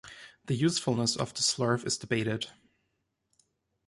The usefulness of the slurve is debated.